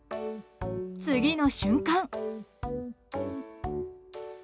次の瞬間。